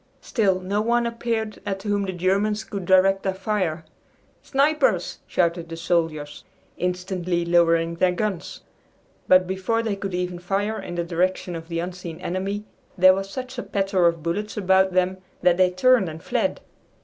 Still no one appeared at whom the Germans could direct their fire. "Snipers!" shouted the soldiers, instantly lowering their guns, but before they could even fire in the direction of the unseen enemy, there was such a patter of bullets about them that they turned and fled.